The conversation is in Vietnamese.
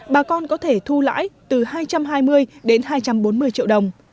bà con có thể thu lãi từ hai trăm hai mươi đến hai trăm bốn mươi triệu đồng